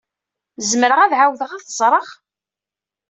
Zemreɣ ad ɛawdeɣ ad t-ẓreɣ?